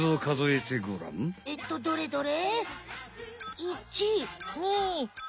えっとどれどれ？